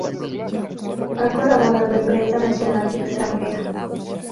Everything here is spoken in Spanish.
Ha colaborado en prensa nacional y extranjera.